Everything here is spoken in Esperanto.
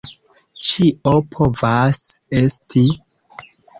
Ĉio povas esti!